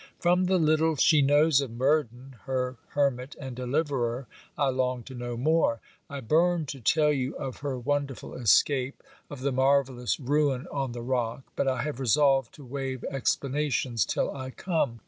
From the little she knows of Murden, (her hermit and deliverer) I long to know more. I burn to tell you of her wonderful escape, of the marvellous Ruin on the rock, but I have resolved to wave explanations till I come.